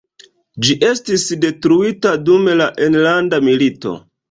Ĝi estis detruita dum la Enlanda Milito.